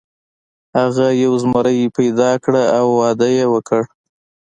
هغه یوه زمریه پیدا کړه او واده یې وکړ.